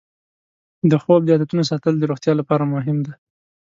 د خوب د عادتونو ساتل د روغتیا لپاره مهم دی.